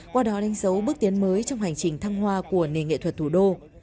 qua đó đánh dấu bước tiến mới trong hành trình thăng hoa của nền nghệ thuật thủ đô